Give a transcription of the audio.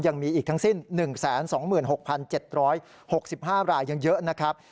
ยังมีอีกทั้งสิ้น๑๒๖๗๖๕รายยังเยอะนะครับ